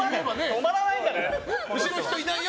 止まらないんだから。